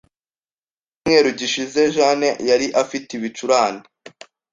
Mu cyumweru gishize, Janne yari afite ibicurane.